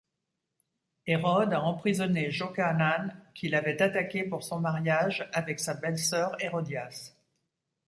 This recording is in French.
Hérode a emprisonné Jokaanan qui l'avait attaqué pour son mariage avec sa belle-sœur Hérodias.